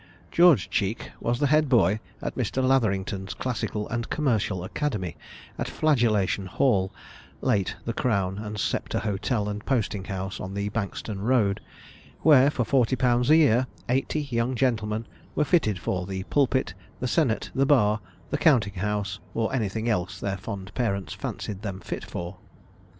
George Cheek was the head boy at Mr. Latherington's classical and commercial academy, at Flagellation Hall (late the Crown and Sceptre Hotel and Posting House, on the Bankstone road), where, for forty pounds a year, eighty young gentlemen were fitted for the pulpit, the senate, the bar, the counting house, or anything else their fond parents fancied them fit for.